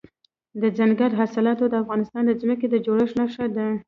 دځنګل حاصلات د افغانستان د ځمکې د جوړښت نښه ده.